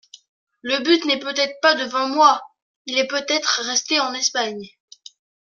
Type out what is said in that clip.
Le but n'est peut-être pas devant moi ; il est peut-être resté en Espagne.